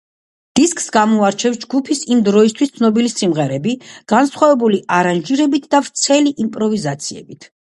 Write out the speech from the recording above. დისკს გამოარჩევს ჯგუფის იმ დროისთვის ცნობილი სიმღერები, განსხვავებული არანჟირებით და ვრცელი იმპროვიზაციებით.